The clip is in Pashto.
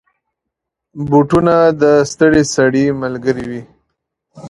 بوټونه د ستړي سړي ملګری وي.